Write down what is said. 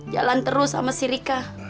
jalan terus sama si rika